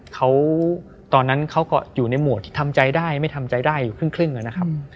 เขาตอนนั้นเขาก็อยู่ในหมวดที่ทำใจได้ไม่ทำใจได้อยู่ครึ่งนะครับ